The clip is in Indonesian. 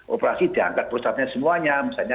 operasi diangkat perusahaannya semuanya misalnya